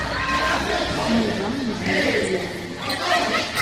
Yuba yezmer ad d-yalel.